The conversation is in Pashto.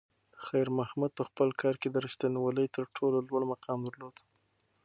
خیر محمد په خپل کار کې د رښتونولۍ تر ټولو لوړ مقام درلود.